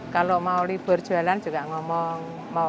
kalau mau libur jualan juga ngomong